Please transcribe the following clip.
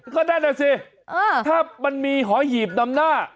ก็นั่นน่ะสิถ้ามันมีหอยหีบนำหน้า